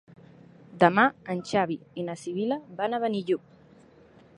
Demà en Xavi i na Sibil·la van a Benillup.